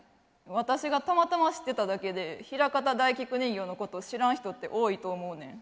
私がたまたま知ってただけでひらかた大菊人形のこと知らん人って多いと思うねん。